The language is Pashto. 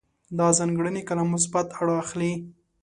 دا ځانګړنې کله مثبت اړخ اخلي.